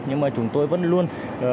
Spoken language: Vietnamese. nhưng mà chúng tôi vẫn luôn